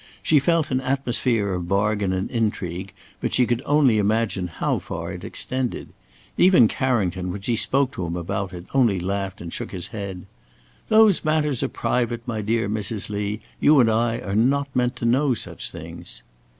She felt an atmosphere of bargain and intrigue, but she could only imagine how far it extended. Even Carrington, when she spoke to him about it, only laughed and shook his head: "Those matters are private, my dear Mrs. Lee; you and I are not meant to know such things."